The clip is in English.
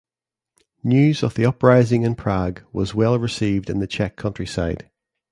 News of the uprising in Prague was well received in the Czech countryside.